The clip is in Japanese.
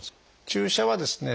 注射はですね